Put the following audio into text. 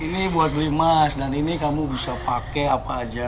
ini buat beli emas dan ini kamu bisa pakai apa aja